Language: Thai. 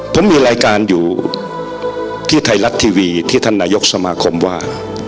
ผมมีรายการอยู่ที่ไทยรัฐทีวีที่ท่านนายกสมาคมว่า